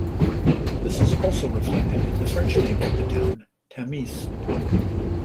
This is also reflected in the French name for the town, Tamise.